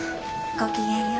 ごきげんよう。